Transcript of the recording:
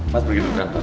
mas pergi dulu ke kantor